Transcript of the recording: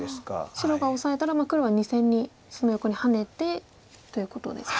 白がオサえたら黒は２線にその横にハネてということですか。